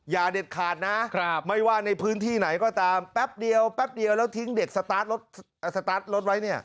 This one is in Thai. อย่าเด็ดขาดนะไม่ว่าในพื้นที่ไหนก็ตามแป๊บเดียวแล้วทิ้งเด็กสตาร์ทรถไว้เนี่ย